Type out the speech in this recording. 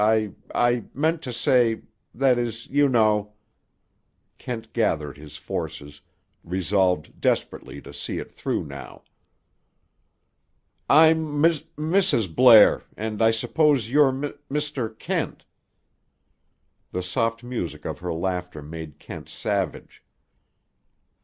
I—I—meant to say—that is you know—" Kent gathered his forces, resolved desperately to see it through, now. "I'm M M Mrs. Blair and I suppose you're Mr. Kent." The soft music of her laughter made Kent savage.